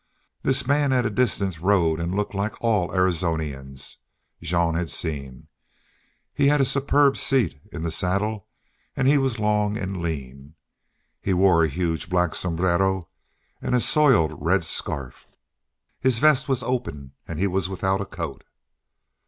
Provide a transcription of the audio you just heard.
This man at a distance rode and looked like all the Arizonians Jean had seen, he had a superb seat in the saddle, and he was long and lean. He wore a huge black sombrero and a soiled red scarf. His vest was open and he was without a coat.